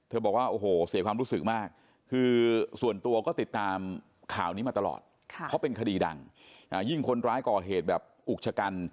เธอติดตามข่าวนี้มาตลอดเพราะเป็นคดีดังยิ่งคนร้ายก่อเหตุแบบอุกชะกัน